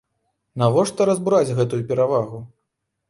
Навошта разбураць гэтую перавагу?